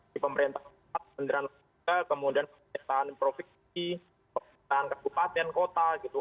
di pemerintahan kemudian kemudian ke kota gitu